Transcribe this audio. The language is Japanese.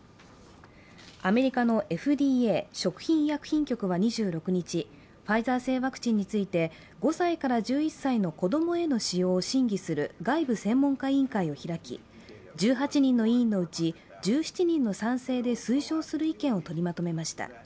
アメリカのＦＤＡ＝食品医薬品局は２６日、ファイザー製ワクチンについて５歳から１１歳の子供への使用を審議する外部専門家委員会を開き、１８人の委員のうち１７人の賛成で推奨する意見をとりまとめました。